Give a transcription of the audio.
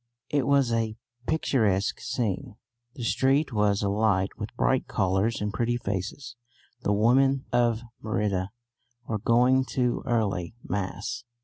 It was a picturesque scene. The street was alight with bright colours and pretty faces. The women of Merida were going to early mass.